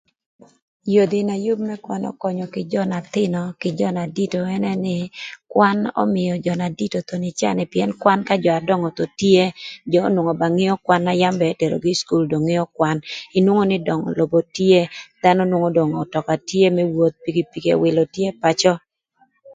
Yodhi na yüb më kwan ökönyö kï jö na thïnö kï jö na dito ënë nï kwan ömïö jö na dito thon ï caa ni pïën kwan ka jö na döngö thon tye jö na nwongo ba ngeo gïnï kwan na yam eterogï ï cukul dong ngeo kwan inwongo nï dongo lobo dong tye dhanö nwongo dong ötöka tye më woth pikpiki thon ëwïlö tye pacö.